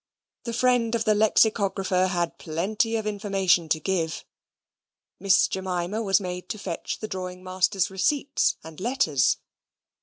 The friend of the Lexicographer had plenty of information to give. Miss Jemima was made to fetch the drawing master's receipts and letters.